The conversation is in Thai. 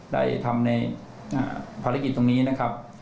ได้ทำในภารกิจตรงนี้นะครับ